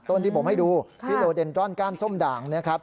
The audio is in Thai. ต้นที่ผมให้ดูฮิโรเดนตรอนก้านส้มด่าง